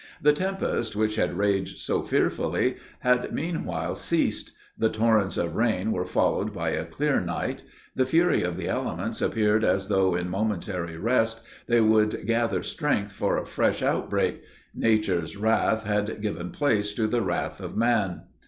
The tempest, which had raged so fearfully, had meanwhile ceased; the torrents of rain were followed by a clear night; the fury of the elements appeared as though, in momentary rest, they would gather strength for a fresh outbreak nature's wrath had given place to the wrath of man.